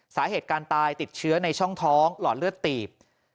สาเหตุการตายติดเชื้อในช่องท้องหลอดเลือดตีบ